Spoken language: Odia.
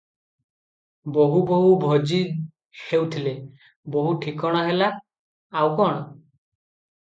ବୋହୂ ବୋହୂ ଭଜି ହେଉଥିଲେ, ବୋହୂ ଠିକଣା ହେଲା, ଆଉ କଣ?